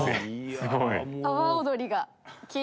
すごい。